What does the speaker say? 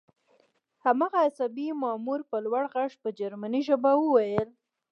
هماغه عصبي مامور په لوړ غږ په جرمني ژبه وویل